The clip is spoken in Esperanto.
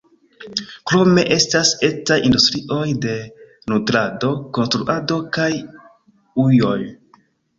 Krome estas etaj industrioj de nutrado, konstruado kaj ujoj.